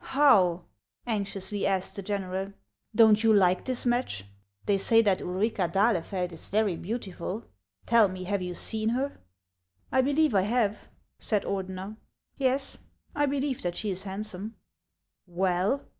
"How!" anxiously asked the general ;" don't you like 126 HANS OF ICELAND. this match? They say that Ulrica d'Ahlefeld is very beautiful. Tell me, have you seeu her ?"" I believe I have," said Ordener. " Yes, I believe that she is handsome." " Well?"